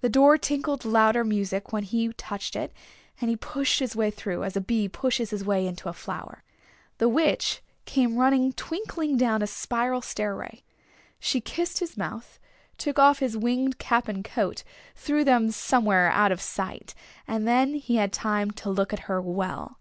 The door tinkled louder music when he touched it, and he pushed his way through, as a bee pushes his way into a flower. The Witch came running twinklingly down a spiral stairway. She kissed his mouth, took off his winged cap and coat, threw them somewhere out of sight, and then he had time to look at her well.